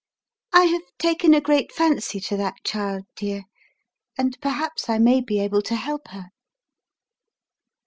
"I have taken a great fancy to that child, dear, and perhaps I may be able to help her."